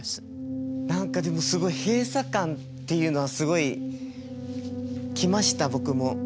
何かでもすごい閉鎖感っていうのはすごい来ました僕も。